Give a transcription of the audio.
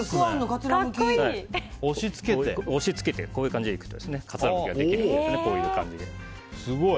こういう感じでいくとかつらむきができるのでこういう感じで。